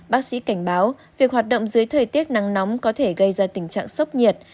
bác sĩ cảnh báo việc hoạt động dưới thời tiết nắng nóng có thể gây ra tình trạng sốc nhiệt